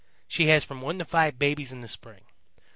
She has from one to five babies in the spring.